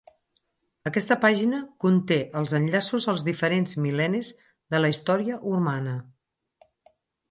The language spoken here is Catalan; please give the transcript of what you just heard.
Aquesta pàgina conté els enllaços als diferents mil·lennis de la història humana.